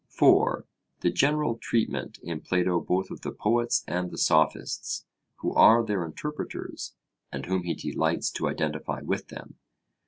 (4) The general treatment in Plato both of the Poets and the Sophists, who are their interpreters, and whom he delights to identify with them.